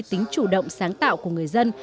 tính chủ động sáng tạo của người dân